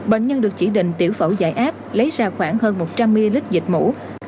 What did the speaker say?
bệnh nhân được chỉ định tiểu phẫu giải áp lấy ra khoảng hơn một trăm linh ml dịch mũ